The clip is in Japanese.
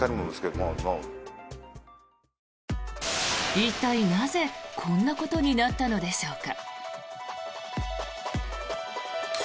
一体なぜ、こんなことになったのでしょうか。